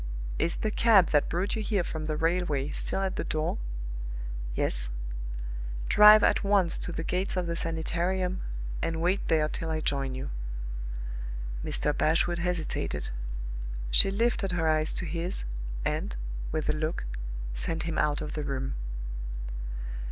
"Is the cab that brought you here from the railway still at the door?" "Yes." "Drive at once to the gates of the Sanitarium, and wait there till I join you." Mr. Bashwood hesitated. She lifted her eyes to his, and, with a look, sent him out of the room.